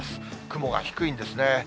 雲が低いんですね。